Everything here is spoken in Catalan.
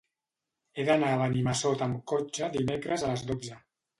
He d'anar a Benimassot amb cotxe dimecres a les dotze.